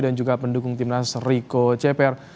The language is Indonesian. dan juga pendukung timnas rico ceper